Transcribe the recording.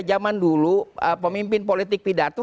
zaman dulu pemimpin politik pidato